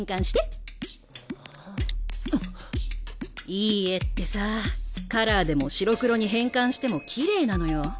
いい絵ってさカラーでも白黒に変換してもきれいなのよ。